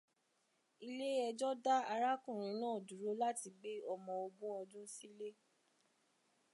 Ilé ẹjọ́ dá arákùnrin náà dúró láti gbé ọmọ ógún ọdún sílé.